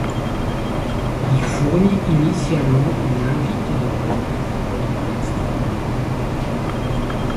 Il fournit initialement une invite de commande en mode texte.